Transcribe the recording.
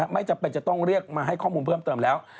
ไม่จำเป็นจะต้องเรียกมาให้ข้อมูลเพิ่มเติมแล้ว